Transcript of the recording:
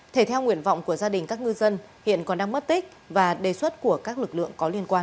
thể theo nguyện vọng của gia đình các ngư dân hiện còn đang mất tích và đề xuất của các lực lượng có liên quan